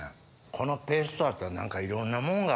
このペーストあったら何かいろんなもんが。